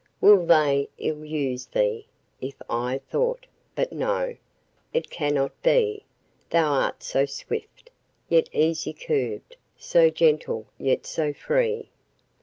Will they ill use thee? If I thought but no, it cannot be Thou art so swift, yet easy curbed; so gentle, yet so free.